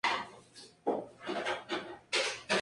Conserva una capilla románica en la parte alta.